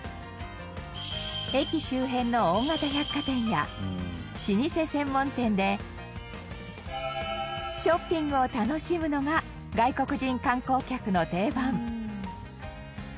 駅周辺の大型百貨店や老舗専門店でショッピングを楽しむのが外国人観光客の定番